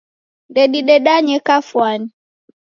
Ndedidedanye kafwani.